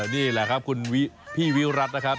นี่แหละครับคุณพี่วิรัตินะครับ